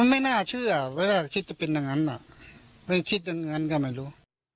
มันไม่น่าเชื่ออะเวลาคิดจะเป็นดังนั้นอะไม่คิดดังงั้นก็ไม่รู้